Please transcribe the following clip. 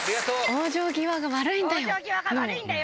「往生際が悪いんだよ！」